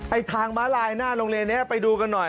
ทางม้าลายหน้าโรงเรียนนี้ไปดูกันหน่อย